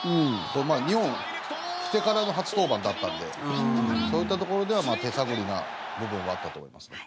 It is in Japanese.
日本に来てからの初登板だったのでそういったところで手探りな部分はあったと思います。